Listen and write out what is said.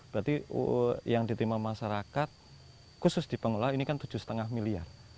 berarti yang diterima masyarakat khusus di pengelola ini kan tujuh lima miliar